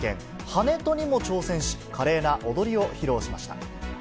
跳人にも挑戦し、華麗な踊りを披露しました。